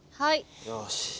よし。